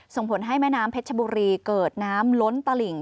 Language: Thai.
ส่งผลให้แม่น้ำเพชรชบุรีเกิดน้ำล้นตลิ่ง